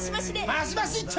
マシマシ一丁！